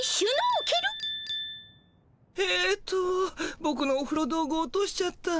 えっとボクのおふろ道具落としちゃった。